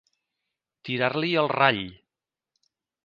Tirar-li el rall.